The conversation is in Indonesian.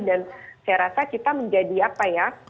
dan saya rasa kita menjadi apa ya